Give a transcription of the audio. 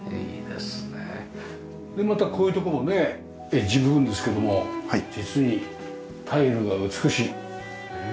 でまたこういうとこもねエッジ部分ですけども実にタイルが美しい。